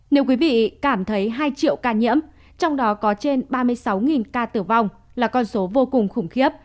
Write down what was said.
nếu quý vị cảm thấy hai triệu ca nhiễm trong đó có trên ba mươi sáu ca tử vong là con số vô cùng khủng khiếp